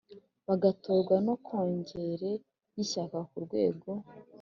bagatorwa na Kongere y Ishyaka ku rwego